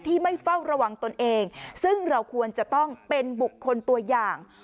ไม่เฝ้าระวังตนเองซึ่งเราควรจะต้องเป็นบุคคลตัวอย่าง